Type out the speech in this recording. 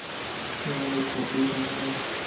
اے منی گُڈّی رند اِنت